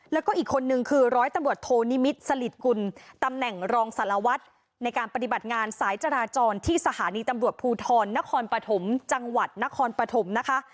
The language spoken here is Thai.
แล้วก็อีกคนนึงคือร้อยตำรวจโทนิมิตรสลิดกุลตำแหน่งรองสารวัตรในการปฏิบัติงานสายจราจรที่สถานีตำรวจภูทรนครปฐมจังหวัดนครปฐมนะคะ